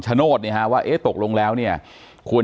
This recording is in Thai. อ๋อเจ้าสีสุข่าวของสิ้นพอได้ด้วย